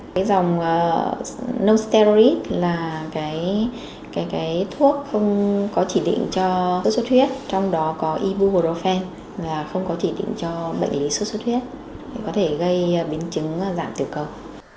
cái dòng non steroid là cái thuốc không có chỉ định cho sốt xuất huyết trong đó có ibuprofen không có chỉ định cho bệnh lý sốt xuất huyết có thể gây biến chứng giảm tiểu cầu